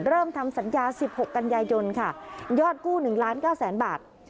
เริ่มทำสัญญา๑๖กัญญายนค่ะยอดกู้๑๙๐๐๐๐๐บาท